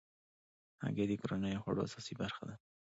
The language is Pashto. هګۍ د کورنیو خوړو اساسي برخه ده.